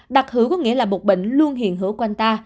đặc hữu có nghĩa là một bệnh luôn hiện hữu quanh ta